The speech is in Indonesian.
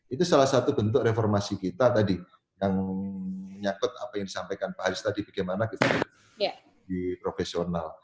itu salah satu bentuk reformasi kita tadi yang menyangkut apa yang disampaikan pak haris tadi bagaimana kita di profesional